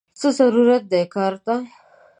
څه ضرورت دې کار ته!!